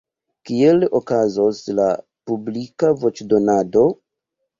Kiel okazos la publika voĉdonado?